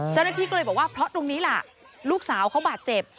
เจ้าหน้าที่ก็เลยบอกว่าเพราะตรงนี้ล่ะลูกสาวเขาบาดเจ็บ